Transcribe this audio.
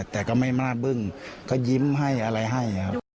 แต่ก็ไม่หน้าเบิ้งก็ยิ้มให้อะไรให้